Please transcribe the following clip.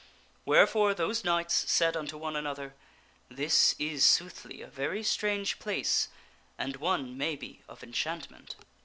Wherefore those knights said unto one another, " This is soothly a very strange place and one, maybe, of enchantment."